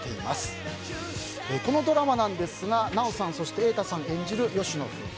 このドラマなんですが奈緒さんそして、瑛太さん演じる吉野夫婦